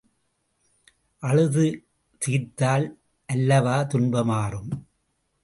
அழுது தீர்த்தால் அல்லவா துன்பம் ஆறும்?